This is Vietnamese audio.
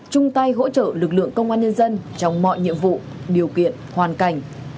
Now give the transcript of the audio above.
chung tay hỗ trợ lực lượng công an nhân dân trong mọi nhiệm vụ điều kiện hoàn cảnh